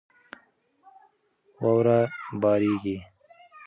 واوره بارېږي.